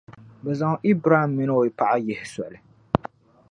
bɛ zaŋ Ibram min’ o paɣa yihi soli.